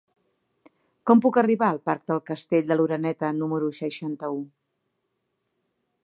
Com puc arribar al parc del Castell de l'Oreneta número seixanta-u?